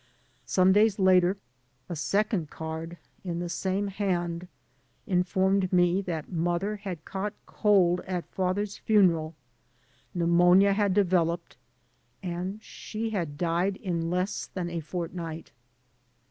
Some days later a second card in the same hand informed me that mother had caught cold at father's funeral, pneumonia had developed, and she had died in less than a fort night.